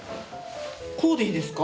こうでいいですか？